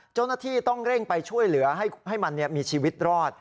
เจ้าหน้าที่ต้องเร่งไปช่วยเหลือให้มันมีชีวิตรอด